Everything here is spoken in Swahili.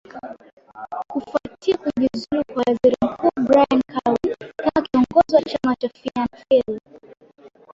kufuatia kujiuzulu kwa waziri mkuu brian carwen kama kiongozi wa chama cha fiana fiel